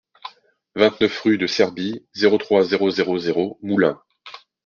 vingt-neuf rue de Serbie, zéro trois, zéro zéro zéro, Moulins